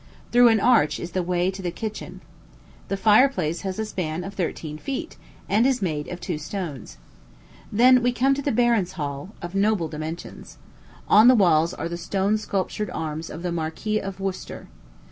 Through an arch is the way to the kitchen. The fireplace has a span of thirteen feet, and is made of two stones. Then we come to the baron's hall, of noble dimensions. On the walls are the stone sculptured arms of the Marquis of Worcester.